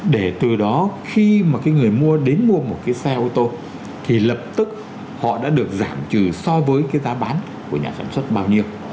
để từ đó khi mà cái người mua đến mua một cái xe ô tô thì lập tức họ đã được giảm trừ so với cái giá bán của nhà sản xuất bao nhiêu